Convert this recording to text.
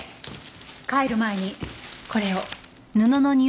帰る前にこれを。